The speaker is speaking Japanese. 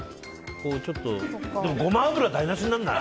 ゴマ油が台無しにならない？